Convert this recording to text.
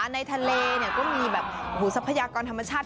ในทะเลเนี่ยก็มีแบบสัพพยากรธรรมชาติ